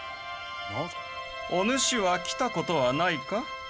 お主は来た事はないか？